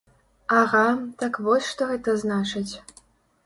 Ага, так вось што гэта значыць.